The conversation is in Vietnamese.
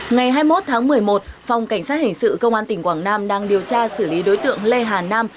ngày hai mươi một tháng một mươi một phòng cảnh sát hình sự công an tỉnh quảng nam đang điều tra xử lý đối tượng lê hà nam